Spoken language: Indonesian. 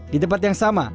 di tempat yang sama